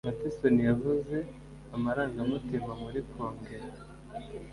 Madison yavuze amarangamutima muri Kongere.